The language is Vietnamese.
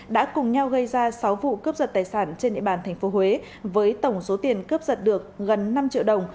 đã cùng nhau gây ra sáu vụ cướp giật tài sản trên địa bàn tp huế với tổng số tiền cướp giật được gần năm triệu đồng